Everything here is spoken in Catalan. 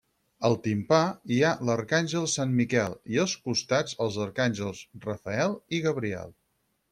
Al timpà hi ha l'arcàngel Sant Miquel i als costats els arcàngels Rafael i Gabriel.